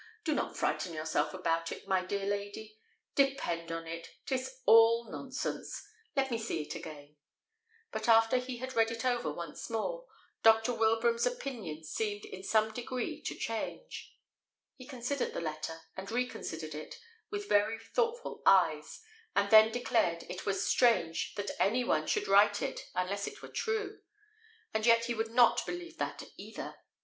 Do not frighten yourself about it, my dear lady; depend on it, 'tis all nonsense. Let me see it again." But after he had read it over once more, Dr. Wilbraham's opinion seemed in some degree to change. He considered the letter, and reconsidered it, with very thoughtful eyes, and then declared it was strange that any one should write it unless it were true; and yet he would not believe that either.